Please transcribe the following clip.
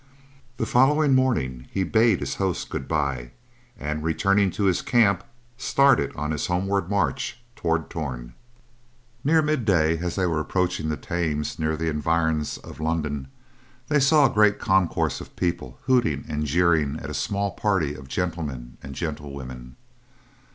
The following morning, he bade his host goodbye, and returning to his camp started on his homeward march toward Torn. Near midday, as they were approaching the Thames near the environs of London, they saw a great concourse of people hooting and jeering at a small party of gentlemen and gentlewomen.